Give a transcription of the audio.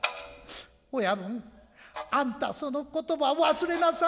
親分あんたその言葉忘れなさんなや。